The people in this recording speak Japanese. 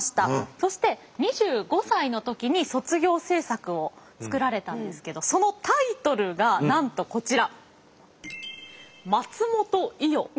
そして２５歳の時に卒業制作を作られたんですけどそのタイトルがなんとこちら。